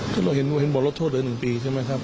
ความดันสูงมากอย่างนี้ใช่มั้ยครับ